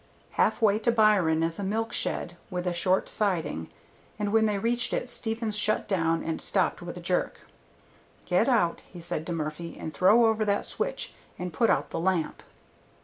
Halfway to Byron is a milk shed with a short siding, and when they reached it Stevens shut down and stopped with a jerk. "Get out," he said to Murphy, "and throw over that switch and put out the lamp."